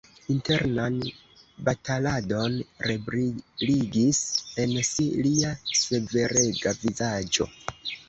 Internan bataladon rebriligis en si lia severega vizaĝo.